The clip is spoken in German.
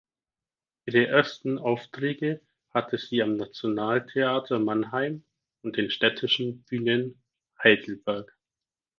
Ihre ersten Aufträge hatte sie am Nationaltheater Mannheim und den Städtischen Bühnen Heidelberg.